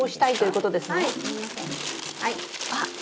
はい。